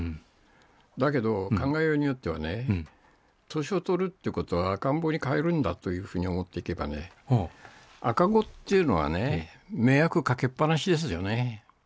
だけど、考えようによってはね、年をとるっていうことは、赤ん坊に返るんだというふうに思っていけばね、赤子っていうのはね、迷惑かけっぱなしですよね。